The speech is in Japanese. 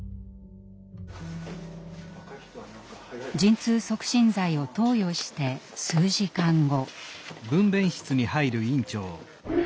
陣痛促進剤を投与して数時間後。